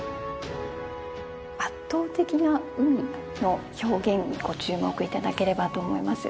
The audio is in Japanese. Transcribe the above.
圧倒的な海の表現にご注目頂ければと思います。